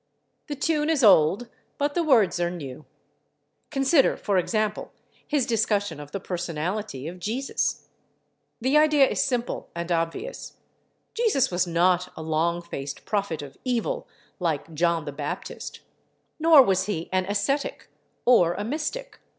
The tune is old, but the words are new. Consider, for example, his discussion of the personality of Jesus. The idea is simple and obvious: Jesus was not a long faced prophet of evil, like John the Baptist, nor was He an ascetic, or a mystic.